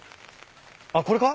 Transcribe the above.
あっこれか？